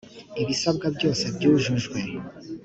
ibisabwa byose byujujwe